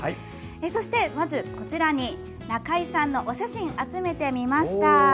そして、まずこちらに中井さんのお写真を集めてみました。